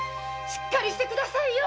しっかりして下さいよ。